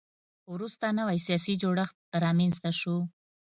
وروسته نوی سیاسي جوړښت رامنځته شو.